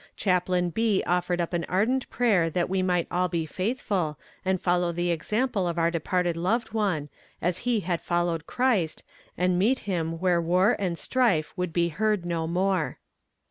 Chaplain B. offered up an ardent prayer that we might all be faithful, and follow the example of our departed loved one, as he had followed Christ, and meet him where war and strife would be heard no more.